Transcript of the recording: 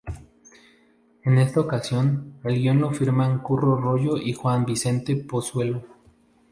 En esta ocasión el guion lo firman Curro Royo y Juan Vicente Pozuelo.